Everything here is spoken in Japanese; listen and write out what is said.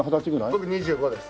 僕２５です。